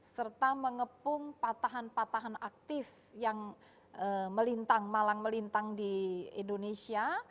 serta mengepung patahan patahan aktif yang melintang malang melintang di indonesia